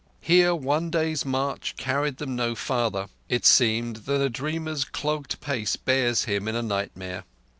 Here one day's march carried them no farther, it seemed, than a dreamer's clogged pace bears him in a nightmare.